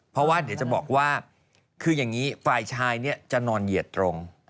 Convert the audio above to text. เพราะว่าเดี๋ยวจะบอกว่าคืออย่างนี้ฝ่ายชายจะนอนเหยียดตรง